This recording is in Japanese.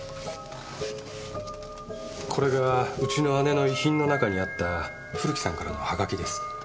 これがうちの姉の遺品の中にあった古木さんからのはがきです。